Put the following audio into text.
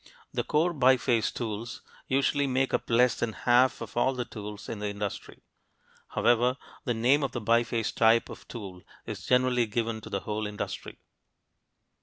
The core biface tools usually make up less than half of all the tools in the industry. However, the name of the biface type of tool is generally given to the whole industry.